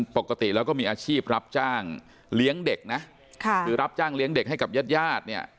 ปกติแล้วก็มีอาชีพรับจ้างเลี้ยงเด็กนะคือรับจ้างเลี้ยงเด็กให้กับญาติญาติเนี่ย